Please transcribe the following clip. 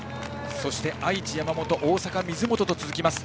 そして、愛知の山本大阪の水本と続きます。